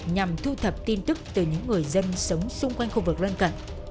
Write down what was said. nhằm thu thập tin tức từ những người dân sống xung quanh khu vực lân cận